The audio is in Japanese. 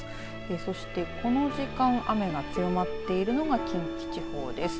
そしてこの時間雨が強まっているのが近畿地方です。